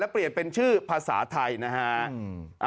เปลี่ยนเป็นชื่อภาษาไทยนะฮะ